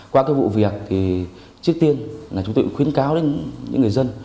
qua cái vụ việc thì trước tiên là chúng tôi cũng khuyến cáo đến những người dân